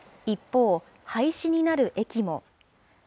一方、廃止になる駅も。